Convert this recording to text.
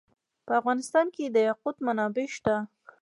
په افغانستان کې د یاقوت منابع شته.